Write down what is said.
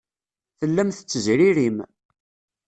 Tellam tettezririm.